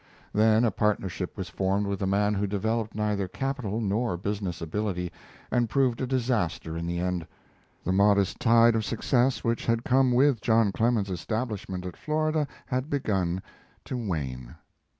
Then a partnership was formed with a man who developed neither capital nor business ability, and proved a disaster in the end. The modest tide of success which had come with John Clemens's establishment at Florida had begun to wane.